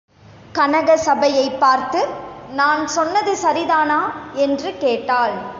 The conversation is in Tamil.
கனகசபையை பார்த்து, நான் சொன்னது சரிதானா? என்று கேட்டாள்.